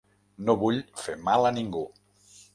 No vull fer mal a ningú.